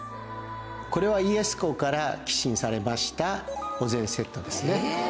これは家康公から寄進されましたお膳セットですね。